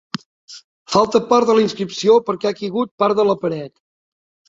Falta part de la inscripció perquè ha caigut part de la paret.